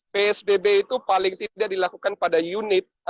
psbb itu paling tidak dilakukan pada unit